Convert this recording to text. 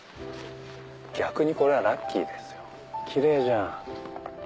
逆にこれはラッキーですよキレイじゃん。